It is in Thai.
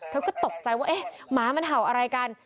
เธอก็ตกใจว่าเอ๊ะหมามันเห่าอะไรกัน